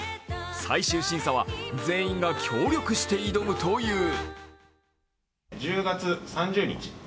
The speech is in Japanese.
最終審査は全員が協力して挑むという。